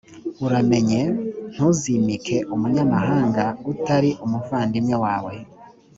uramenye ntuzimike umunyamahanga utari umuvandimwe wawe.